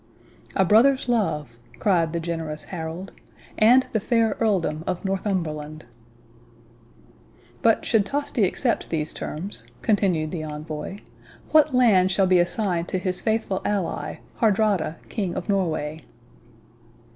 "'A brother's love,' cried the generous Harold, 'and the fair earldom of Northumberland.' "'But should Tosti accept these terms,' continued the envoy, 'what lands shall be assigned to his faithful ally, Hardrada, King of Norway?